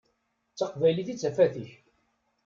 D taqbaylit i d tafat-ik.